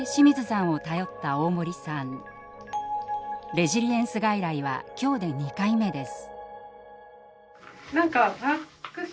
レジリエンス外来は今日で２回目です。